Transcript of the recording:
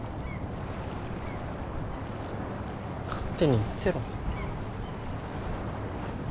勝手に言ってろ。